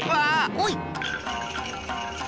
おい！